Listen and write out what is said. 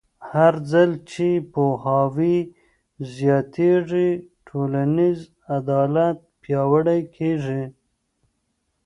هرځل چې پوهاوی زیاتېږي، ټولنیز عدالت پیاوړی کېږي.